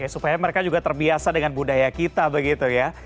supaya mereka juga terbiasa dengan budaya kita begitu ya